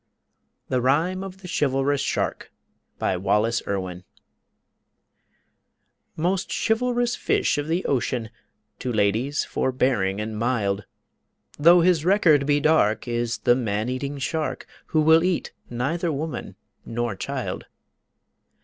] THE RHYME OF THE CHIVALROUS SHARK BY WALLACE IRWIN Most chivalrous fish of the ocean, To ladies forbearing and mild, Though his record be dark, is the man eating shark Who will eat neither woman nor child.